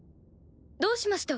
どうしました？